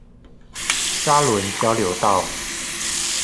沙崙交流道